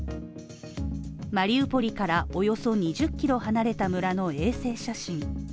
マリウポリからおよそ２０キロ離れた村の衛星写真